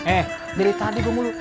eh dari tadi gue mau